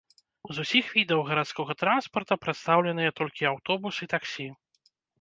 З усіх відаў гарадскога транспарта прадстаўленыя толькі аўтобус і таксі.